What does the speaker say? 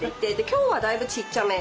今日はだいぶちっちゃめ。